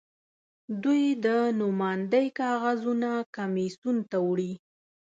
دوی د نوماندۍ کاغذونه کمېسیون ته وړي.